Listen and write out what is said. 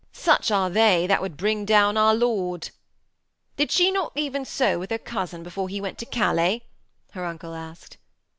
'Such are they that would bring down our Lord!' 'Did she not even so with her cousin before he went to Calais?' her uncle asked.